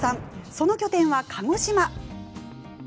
その拠点は鹿児島。